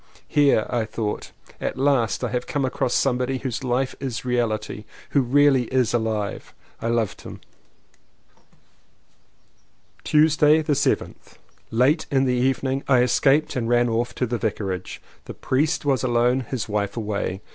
"Here," I thought, "at last, have I come across somebody whose Hfe is a reahty — who is really alive!" I loved him. Tuesday the 7th. Late in the evening I escaped and ran off to the Vicarage. The priest was alone, his wife away.